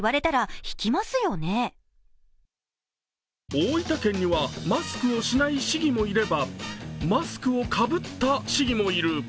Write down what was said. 大分県にはマスクをしない市議もいればマスクをかぶった市議もいる。